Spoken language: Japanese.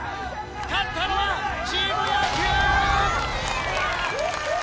勝ったのはチーム野球！